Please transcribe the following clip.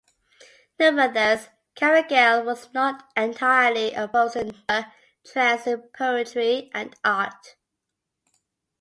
Nevertheless, Caragiale was not entirely opposed to newer trends in poetry and art.